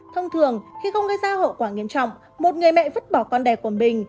thông thường khi không gây ra hậu quả nghiêm trọng một người mẹ vứt bỏ con đẻ của mình